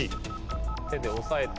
手で押さえて。